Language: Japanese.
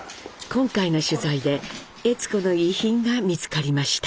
今回の取材で悦子の遺品が見つかりました。